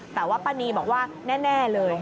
แต่ว่าป้านีบอกว่าแน่เลย